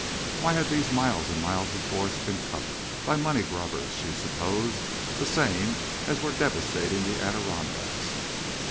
Why had these miles and miles of forest been cut? By money grubbers, she supposed, the same as were devastating the Adirondacks.